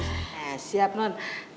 eh siap non